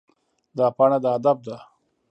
دا پاڼه د ادب ده.